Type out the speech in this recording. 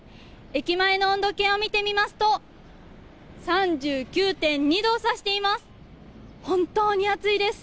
駅前の温度計を見てみますと３９．２度を指しています。